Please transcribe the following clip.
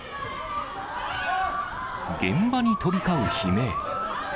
現場に飛び交う悲鳴。